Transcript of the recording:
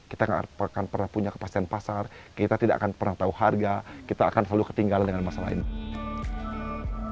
kita tidak akan pernah punya kepastian pasar kita tidak akan pernah tahu harga kita akan selalu ketinggalan dengan masalah ini